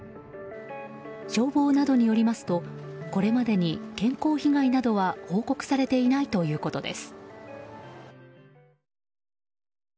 消防などによりますとこれまでに健康被害などは報告されていないということです。